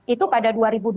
itu pada dua ribu dua puluh